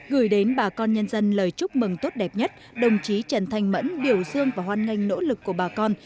gửi đến bà con nhân dân lời chúc mừng tốt đẹp nhất đồng chí trần thanh mẫn biểu dương và hoan nghênh nỗ lực của bà con